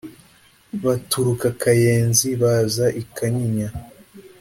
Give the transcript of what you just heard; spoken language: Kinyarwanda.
Baturuka Kayenzi, baza i Kanyinya;